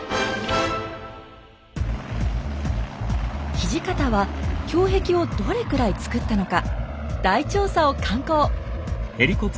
土方は胸壁をどれくらい造ったのか大調査を敢行！